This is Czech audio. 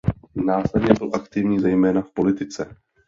Následně byl aktivní zejména v politice.